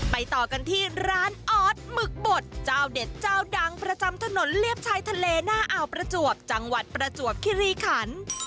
ต่อกันที่ร้านออสหมึกบดเจ้าเด็ดเจ้าดังประจำถนนเลียบชายทะเลหน้าอ่าวประจวบจังหวัดประจวบคิริขัน